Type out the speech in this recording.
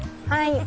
はい。